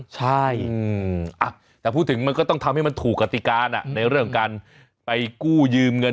ใช่แต่พูดถึงมันก็ต้องทำให้มันถูกกติการในเรื่องการไปกู้ยืมเงิน